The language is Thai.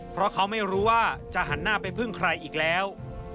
เพราะเขาไม่รู้ว่าจะหันหน้าไปพึ่งใครอีกแล้ว